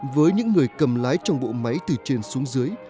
với những người cầm lái trong bộ máy từ trên xuống dưới